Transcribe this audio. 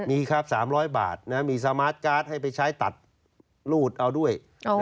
มีครับ๓๐๐บาทมีสมาร์ทการ์ดให้ไปใช้ตัดรูดเอาด้วย